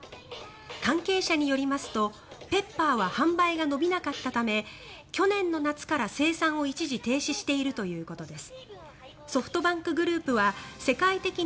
関係者によりますとＰｅｐｐｅｒは販売が伸びなかったため去年の夏から生産を一時停止しているということです。